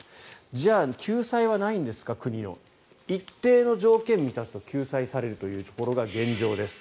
じゃあ、国の救済はないんですか一定の条件を満たすと救済されるというところが現状です。